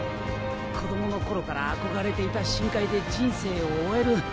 子供の頃から憧れていた深海で人生を終える。